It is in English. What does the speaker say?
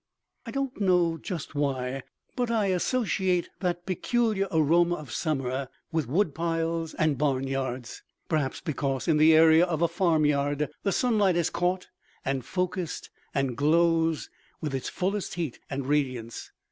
I don't know just why, but I associate that peculiar aroma of summer with woodpiles and barnyards. Perhaps because in the area of a farmyard the sunlight is caught and focused and glows with its fullest heat and radiance.